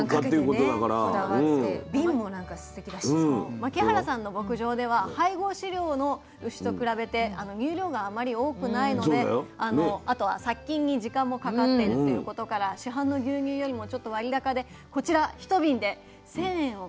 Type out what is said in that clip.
牧原さんの牧場では配合飼料の牛と比べて乳量があまり多くないのであとは殺菌に時間もかかっているということから市販の牛乳よりもちょっと割高でこちら１瓶で１，０００円を超える価格となっています。